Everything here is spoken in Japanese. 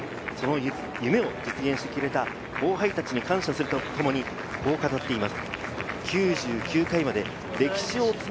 夢を実現してくれた後輩たちに感謝するとともに、こう語っています。